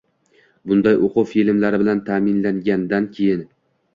bunday o‘quv filmlari bilan ta’minlangandan keyin